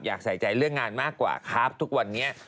อยากใส่ใจเรื่องงานมากกว่าครับทุกวันนี้